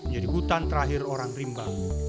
jadi hutan terakhir orang rimba